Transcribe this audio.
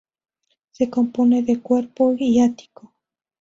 Se compone de cuerpo y ático.